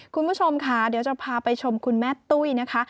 คุณผู้ชมค่ะเดี๋ยวจะพาไปชมคุณแม่ตุ้ยนะคะ